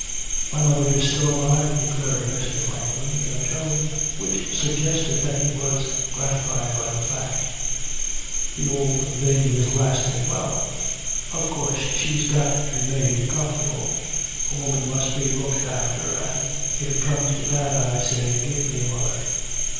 "My mother is still alive," declared Mr. Franklin in a tone which suggested that he was gratified by the fact. "The old lady is lasting well. Of course she's got to be made comfortable. A woman must be looked after, and, if it comes to that, I say, give me a mother.